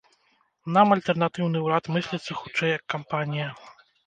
Нам альтэрнатыўны ўрад мысліцца, хутчэй, як кампанія.